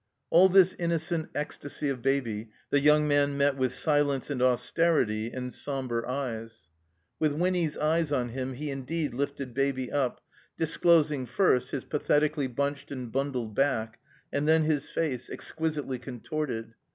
All this innocent ecstasy of Baby the young man met with silence and austerity and somber eyes. With Winny's eyes on him he indeed lifted Baby up, disclosing, first, his pathetically btmched and btmdled back, and then his face, exquisitely con torted.